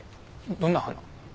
どんな花？